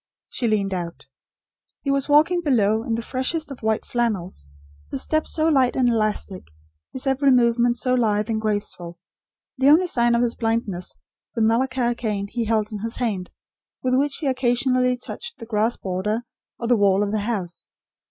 She leaned out. He was walking below in the freshest of white flannels; his step so light and elastic; his every movement so lithe and graceful; the only sign of his blindness the Malacca cane he held in his hand, with which he occasionally touched the grass border, or the wall of the house.